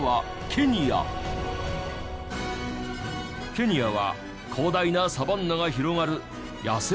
ケニアは広大なサバンナが広がる野生動物の宝庫。